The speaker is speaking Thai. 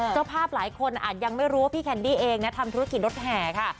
เจ้าภาพหลายคนอาจยังไม่รู้ว่าพี่แคนดี้เองนะทำธุรกิจรถแห่ค่ะ